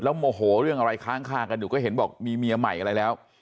โมโหเรื่องอะไรค้างคากันอยู่ก็เห็นบอกมีเมียใหม่อะไรแล้ว